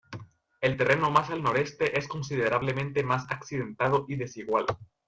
El terreno más al noreste es considerablemente más accidentado y desigual.